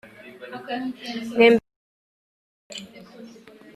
mwembi mukora iki